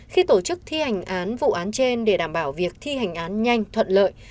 khi tổ chức thi hành án vụ án trên để đảm bảo việc thi hành án nhanh thuận lợi